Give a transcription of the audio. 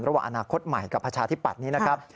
ระหว่างอนาคตใหม่กับประชาธิปัตย์นี้นะครับ